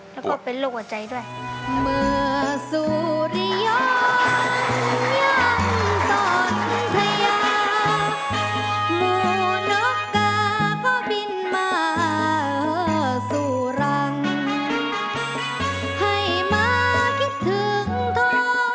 แล้วก็เป็นโรคหัวใจด้วย